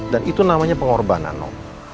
dan itu namanya pengorbanan no